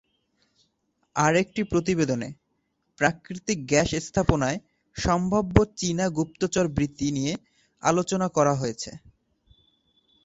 আরেকটি প্রতিবেদনে প্রাকৃতিক গ্যাস স্থাপনায় সম্ভাব্য চীনা গুপ্তচরবৃত্তি নিয়ে আলোচনা করা হয়েছে।